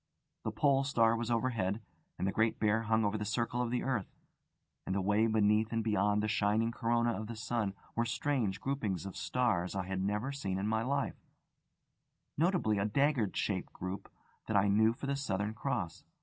The Pole Star was overhead, and the Great Bear hung over the circle of the earth. And away beneath and beyond the shining corona of the sun were strange groupings of stars I had never seen in my life notably a dagger shaped group that I knew for the Southern Cross.